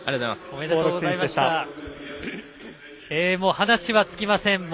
話は尽きません。